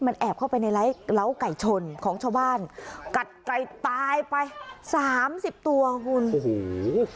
มันแอบเข้าไปในไร้เล้าไก่ชนของชาวบ้านกัดไตรตายไปสามสิบตัวคุณโอ้โห